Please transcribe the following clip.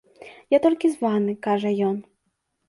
Я толькі з ванны, кажа ён.